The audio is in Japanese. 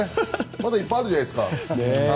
まだいっぱいあるんじゃないですか。